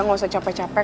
gak usah capek capek